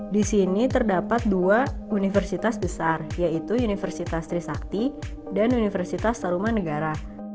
di sini terdapat dua universitas besar yaitu universitas trisakti dan universitas taruman negara